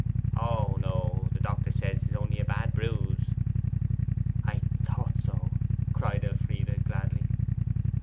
'Oh no; the doctor says it is only a bad bruise.' 'I thought so!' cried Elfride gladly.